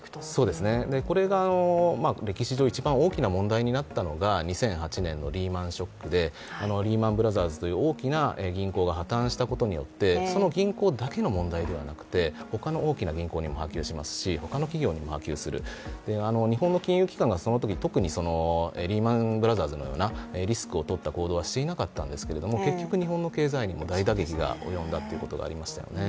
これが歴史上一番大きな問題になったのが２００８年のリーマン・ショックでリーマン・ブラザーズという大きな銀行が破綻したことによって、その銀行だけの問題ではなくて、ほかの大きな銀行にも波及しますし他の企業にも波及する、日本の金融機関が特にリーマンブラザーズのようなリスクを取った行動はしていなかったんですけど、結局日本の経済にも大打撃が及んだということがありましたよね。